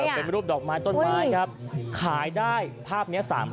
เป็นรูปดอกไม้ต้นไม้ครับขายได้ภาพนี้๓๐๐